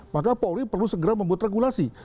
maka polri perlu segera membuat regulasi